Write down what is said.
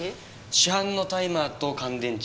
市販のタイマーと乾電池。